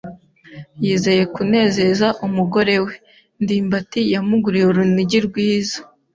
Yizeye kunezeza umugore we, ndimbati yamuguriye urunigi rwiza.